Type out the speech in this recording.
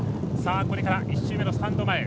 これから１周目のスタンド前。